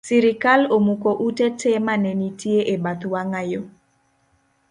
Sirikal omuko ute tee mane nitie e bath wang’ayo